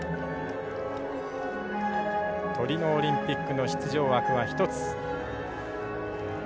トリノオリンピックの出場枠は１つ。